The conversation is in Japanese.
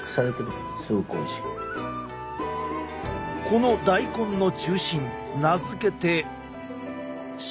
この大根の中心名付けて。